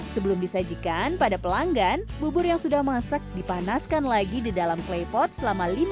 sebelum disajikan pada pelanggan bubur yang sudah masak dipanaskan lagi di dalam klepot selama lima tahun